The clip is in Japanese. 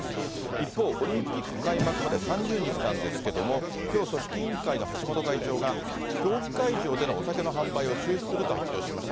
一方、オリンピック開幕まで３０日なんですけれども、きょう、組織委員会の橋本会長が、競技会場でのお酒の販売を中止すると発表しました。